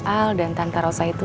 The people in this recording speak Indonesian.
al dan tanta rosa itu